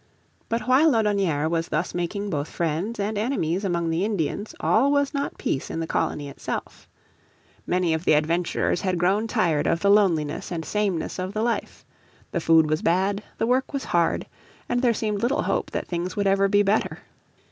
But while Laudonnière was thus making both friends and enemies among the Indians all was not peace in the colony itself. Many of the adventurers had grown tired of the loneliness and sameness of the life. The food was bad, the work was hard, and there seemed little hope that things would ever be better.